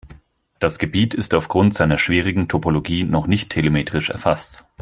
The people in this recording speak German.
Das Gebiet ist aufgrund seiner schwierigen Topologie noch nicht telemetrisch erfasst.